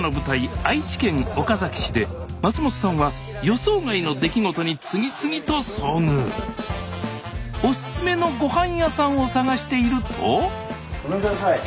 愛知県岡崎市で松本さんは予想外の出来事に次々と遭遇おすすめのごはん屋さんを探しているとごめんください。